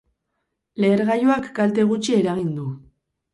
Lehergailuak kalte gutxi eragin du.